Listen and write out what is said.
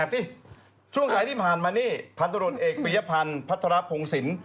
แสบสิช่วงขายที่ผ่านมานี่พัฒนรถเอกปริยพันธ์พัฒนาภงสิน